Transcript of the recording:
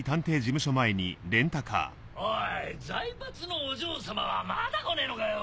おい財閥のお嬢様はまだ来ねえのかよ！